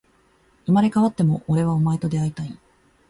生まれ変わっても、俺はお前と出会いたい